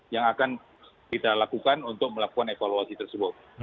yang akan kita lakukan untuk melakukan evaluasi tersebut